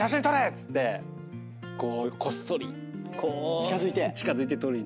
っつってこうこっそり近づいて撮りに行って。